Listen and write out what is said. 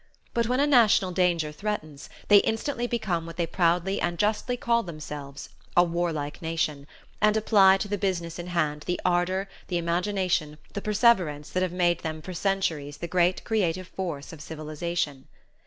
But when a national danger threatens, they instantly become what they proudly and justly call themselves "a warlike nation" and apply to the business in hand the ardour, the imagination, the perseverance that have made them for centuries the great creative force of civilization.